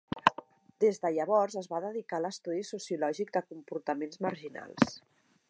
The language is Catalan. Des de llavors es va dedicar a l'estudi sociològic de comportaments marginals.